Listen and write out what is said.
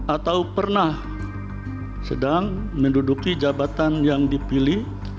atau pernah sedang menduduki jabatan yang dipilih